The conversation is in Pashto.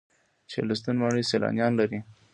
چهلستون ماڼۍ سیلانیان لري